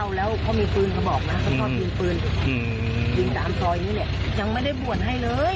เขาพอบินปืนบินตามซอยอย่างนี้ยังไม่ได้บ่วนให้เลย